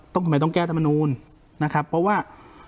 ทำไมต้องแก้ธรรมนูลนะครับเพราะว่า